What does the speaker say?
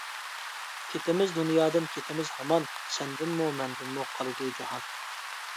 كېتىمىز دۇنيادىن كېتىمىز ھامان، سەندىنمۇ، مەندىنمۇ قالىدۇ جاھان.